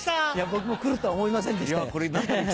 僕も来るとは思いませんでしたよ。